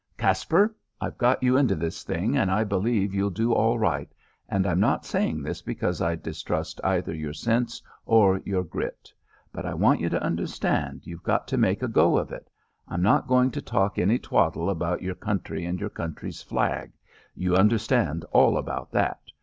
"Caspar, I've got you into this thing, and I believe you'll do all right, and I'm not saying this because I distrust either your sense or your grit. But I want you to understand you've got to make a go of it. I'm not going to talk any twaddle about your country and your country's flag. You understand all about that.